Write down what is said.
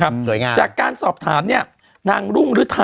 พรากฎแก้เวลาเที่ยงคืน